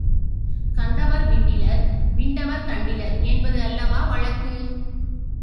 கண்டவர் விண்டிலர் விண்டவர் கண்டிலர் என்பது அல்லவா வழக்கு?